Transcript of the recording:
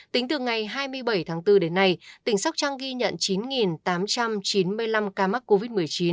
tính từ ngày hai mươi bảy tháng bốn đến nay tỉnh sóc trăng ghi nhận chín tám trăm chín mươi năm ca mắc covid một mươi chín